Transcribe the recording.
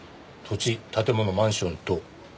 「土地建物マンション等」